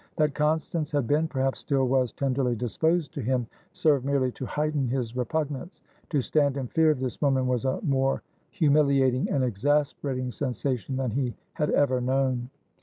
That Constance had beenperhaps still was tenderly disposed to him, served merely to heighten his repugnance. To stand in fear of this woman was a more humiliating and exasperating sensation than he had ever known.